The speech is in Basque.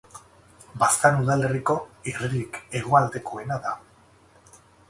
Baztan udalerriko herririk hegoaldekoena da.